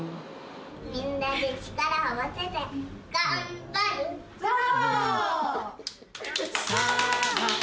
みんなで力を合わせて頑張るぞー！